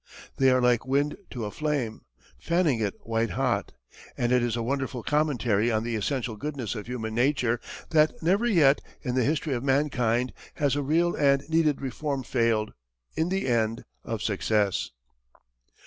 They are like wind to a flame, fanning it white hot. And it is a wonderful commentary on the essential goodness of human nature that never yet, in the history of mankind, has a real and needed reform failed, in the end, of success.